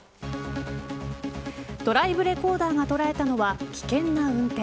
ドライブレコーダーが捉えたのは危険な運転。